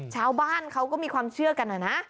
ชาวบ้านเขาก็มีความเชื่อกันนะนะ